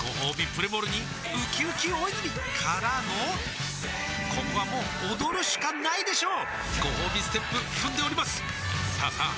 プレモルにうきうき大泉からのここはもう踊るしかないでしょうごほうびステップ踏んでおりますさあさあ